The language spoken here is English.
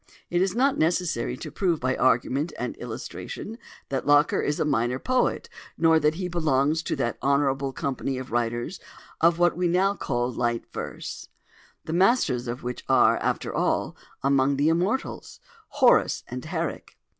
It is not necessary to prove by argument and illustration that Locker is a minor poet, nor that he belongs to that honourable company of writers of what we now call "light verse"—the masters of which are, after all, among the immortals—Horace and Herrick.